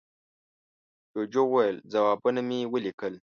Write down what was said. جوجو وویل، ځوابونه مې وليکل.